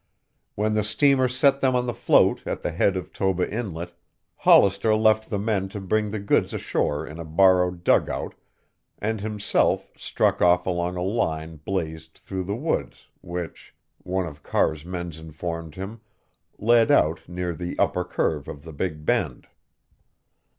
When the steamer set them on the float at the head of Toba Inlet, Hollister left the men to bring the goods ashore in a borrowed dugout and himself struck off along a line blazed through the woods which, one of Carr's men informed him, led out near the upper curve of the Big Bend.